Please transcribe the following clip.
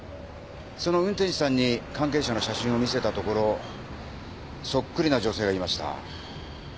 その運転手さんに関係者の写真を見せたところそっくりな女性がいました。